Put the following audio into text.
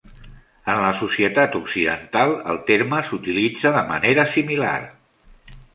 En la societat occidental, el terme s'utilitza de manera similar.